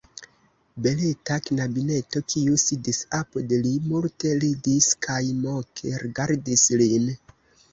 Beleta knabineto, kiu sidis apud li, multe ridis kaj moke rigardis lin.